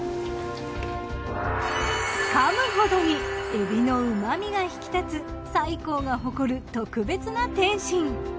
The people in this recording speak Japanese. かむほどに海老の旨味が引き立つ菜香が誇る特別な点心。